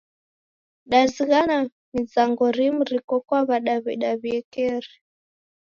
Dazighana mizango rimu riko kwa W'adaw'ida w'iekeri.